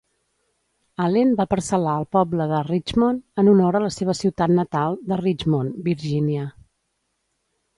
Allen va parcel·lar el poble de "Richmond", en honor a la seva ciutat natal de Richmond, Virgínia.